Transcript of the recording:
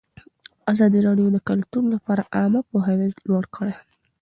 ازادي راډیو د کلتور لپاره عامه پوهاوي لوړ کړی.